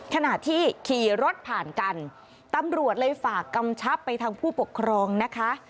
ขณะที่ขี่รถผ่านกันตำรวจเลยฝากกำชับไปทางผู้ปกครองนะคะ